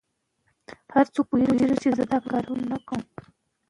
په هغه صورت کې چې خبرې دوام ولري، سوء تفاهم به رامنځته نه شي.